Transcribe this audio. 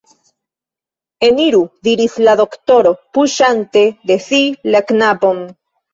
Eniru! diris la doktoro, forpuŝante de si la knabon.